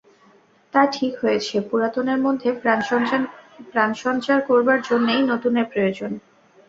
তা, ঠিক হয়েছে– পুরাতনের মধ্যে প্রাণসঞ্চার করবার জন্যেই নূতনের প্রয়োজন।